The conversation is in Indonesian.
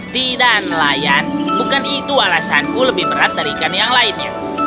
tidak nelayan bukan itu alasanku lebih berat dari ikan yang lainnya